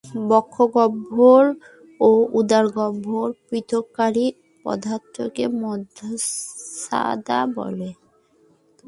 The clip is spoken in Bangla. বক্ষগহ্বর ও উদারগহ্বর পৃথককারী পর্দাকে মধ্যচ্ছদা বলে।